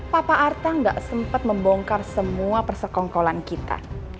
papa artang gak sempat membongkar semua persekongkolan kita